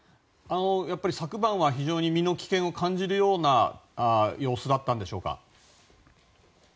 やっぱり昨晩は非常に身の危険を感じるような様子だったんでしょうか。